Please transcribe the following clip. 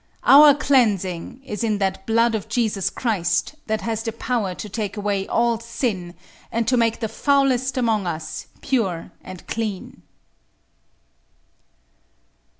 Our cleansing is in that blood of Jesus Christ that has the power to take away all sin, and to make the foulest amongst us pure and clean.